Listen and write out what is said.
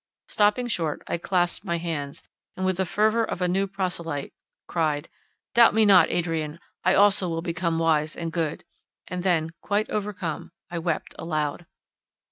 —Stopping short, I clasped my hands, and with the fervour of a new proselyte, cried, "Doubt me not, Adrian, I also will become wise and good!" and then quite overcome, I wept aloud.